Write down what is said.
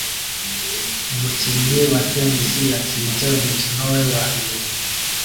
Umukinnyi wa tennis yatsinze umukino we wambere